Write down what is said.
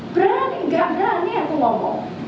berani gak berani aku ngomong